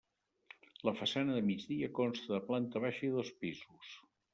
La façana de migdia consta de planta baixa i dos pisos.